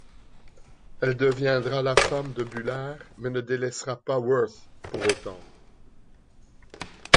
Elle deviendra la femme de Bullard mais ne délaissera pas Worth pour autant.